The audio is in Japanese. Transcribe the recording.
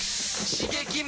刺激！